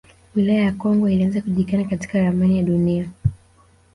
Wilaya ya Kongwa ilianza kujulikana katika ramani ya Dunia